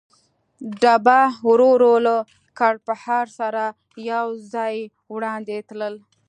ډبه ورو ورو له کړپهار سره یو ځای وړاندې تلل.